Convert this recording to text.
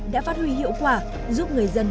đẩy lùi dịch bệnh